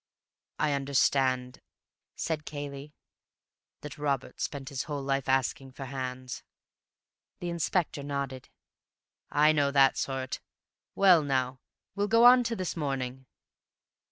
"I understand," said Cayley, "that Robert spent his whole life asking for hands." The inspector nodded. "I know that sort. Well, now, we'll go on to this morning.